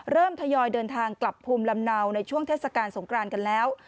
ทยอยเดินทางกลับภูมิลำเนาในช่วงเทศกาลสงครานกันแล้ว